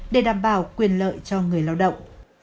để đảm bảo quyền lợi cho người lao động